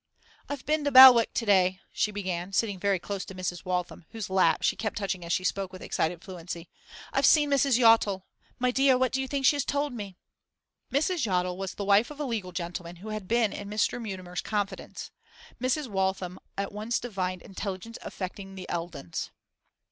'I've been to Belwick to day,' she began, sitting very close to Mrs. Waltham, whose lap she kept touching as she spoke with excited fluency. 'I've seen Mrs. Yottle. My dear, what do you think she has told me?' Mrs. Yottle was the wife of a legal gentleman who had been in Mr. Mutimer's confidence. Mrs. Waltham at once divined intelligence affecting the Eldons.